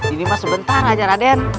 ini pas sebentar aja raden